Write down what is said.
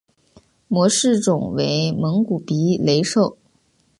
模式种为蒙古鼻雷兽。